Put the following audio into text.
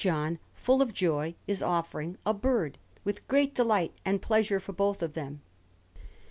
John, full of joy, is offering a bird, with great delight and pleasure for both of them.